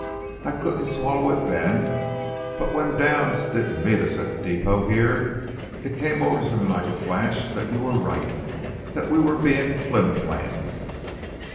I couldn't swallow it then, but when Downs didn't meet us at the depot here, it came over me like a flash that you were right that we were being flimflammed."